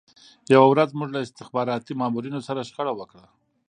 یوه ورځ موږ له استخباراتي مامورینو سره شخړه وکړه